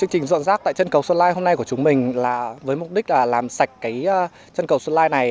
chương trình dọn rác tại chân cầu xuân lai hôm nay của chúng mình là với mục đích là làm sạch chân cầu xuân lai này